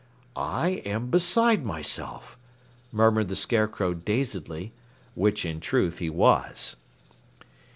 "I am beside myself," murmured the Scarecrow dazedly which in truth he was.